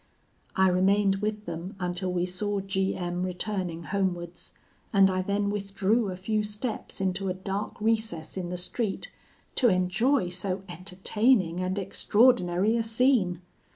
"I remained with them until we saw G M returning homewards; and I then withdrew a few steps into a dark recess in the street, to enjoy so entertaining and extraordinary a scene.